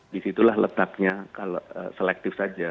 di situlah letaknya kalau selektif saja